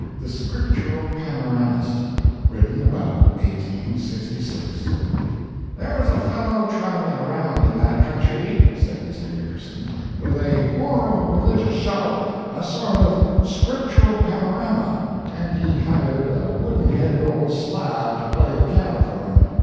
THE SCRIPTURAL PANORAMIST [Written about 1866.] "There was a fellow traveling around in that country," said Mr. Nickerson, "with a moral religious show a sort of scriptural panorama and he hired a wooden headed old slab to play the piano for him.